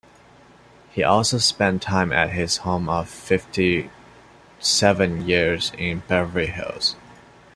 He also spent time at his home of fifty-seven years in Beverly Hills.